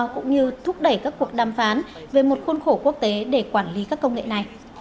cũng như thúc đẩy các cuộc đàm phán về một khuôn khổ quốc tế để quản lý các công nghệ này